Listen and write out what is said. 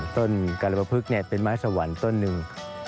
ต้นกรปภึกเป็นไม้สวรรค์ต้นหนึ่ง